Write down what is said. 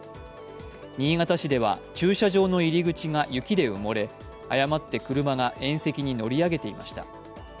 新潟市では駐車場の入り口が雪で埋もれ、誤って車が縁石に乗り上げていました。